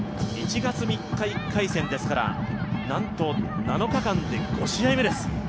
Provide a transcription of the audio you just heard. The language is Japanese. １月３日、１回戦ですからなんと７日間で５試合目です。